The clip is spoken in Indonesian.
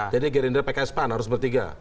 jadi gerindra pks pan harus bertiga